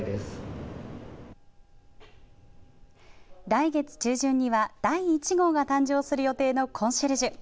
来月中旬には第１号が誕生する予定のコンシェルジュ。